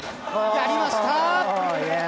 やりました！